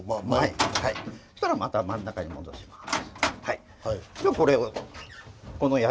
そしたらまた真ん中に戻します。